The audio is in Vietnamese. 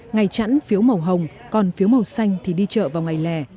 ngay chẵn phiếu màu hồng còn phiếu màu xanh thì đi chợ vào ngày lẻ